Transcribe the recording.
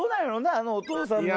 あのお父さんも。